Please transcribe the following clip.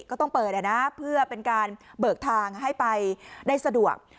ก็ต้องเปิดนะเพื่อเป็นการเบิกทางให้ไปได้สะดวก